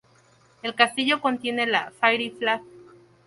El castillo contiene la "Fairy Flag".